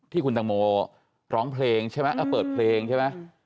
ที่คุณตังโมร้องเพลงใช่ไหมเปิดเพลงใช่ไหม